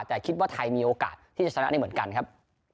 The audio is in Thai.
แต่คิดว่าไทยมีโอกาสที่จะชนะได้เหมือนกันครับ